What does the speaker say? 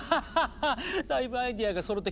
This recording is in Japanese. だいぶアイデアがそろってきたわね。